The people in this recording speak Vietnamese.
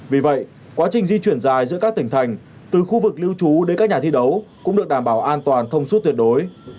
vì vậy quá trình di chuyển dài giữa các tỉnh thành từ khu vực lưu trú đến các nhà thi đấu cũng được đảm bảo an toàn thông suốt tuyệt đối